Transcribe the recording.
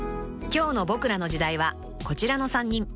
［今日の『ボクらの時代』はこちらの３人］